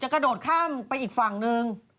กระโดดข้ามไปอีกฝั่งนึง